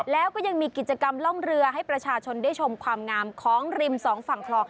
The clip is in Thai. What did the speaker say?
แล้วก็ยังมีกิจกรรมล่องเรือให้ประชาชนได้ชมความงามของริมสองฝั่งคลอง